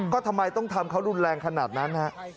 ก็ทำไมต้องทำเขารุนแรงขนาดนั้นฮะ